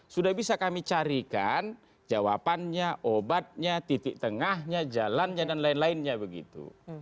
sudah bisa kami carikan jawabannya obatnya titik tengahnya jalannya dan lain lainnya begitu